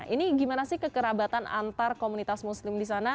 ini gimana sih kekerabatan antar komunitas muslim di sana